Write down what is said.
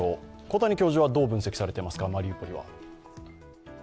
小谷教授はどう分析されてますか、マリウポリは？